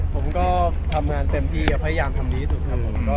ผมก็ทำงานเต็มที่พยายามทำดีที่สุดครับผม